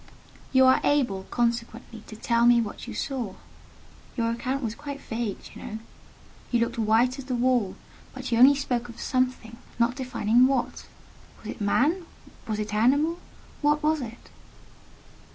"You are able, consequently, to tell me what you saw? Your account was quite vague, do you know? You looked white as the wall; but you only spoke of 'something,' not defining what. Was it a man? Was it an animal? What was it?"